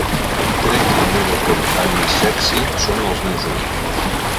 Crec que la meva qualitat més sexy són els meus ulls!